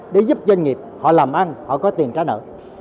để giúp doanh nghiệp họ làm ăn họ có tiền trả nợ